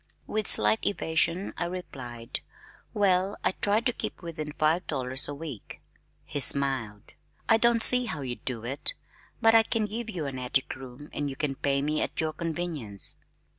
With slight evasion I replied, "Well, I try to keep within five dollars a week." He smiled. "I don't see how you do it, but I can give you an attic room and you can pay me at your convenience."